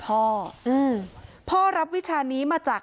เป็นพระรูปนี้เหมือนเคี้ยวเหมือนกำลังทำปากขมิบท่องกระถาอะไรสักอย่าง